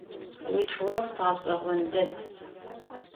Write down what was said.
Yiçç'ıops ğeş'eğon ded.